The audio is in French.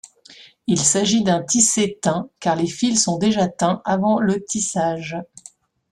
Il s'agit d'un tissé teint car les fils sont déjà teints avant le tissage.